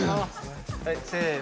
はいせの。